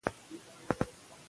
د ګمبد کار نیمګړی پاتې سوی دی.